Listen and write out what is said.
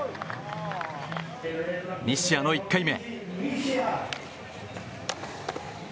西矢の１回目。